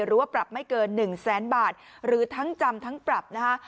หรือว่าปรับไม่เกิน๑แสนบาทหรือทั้งจำทั้งปรับนะคะ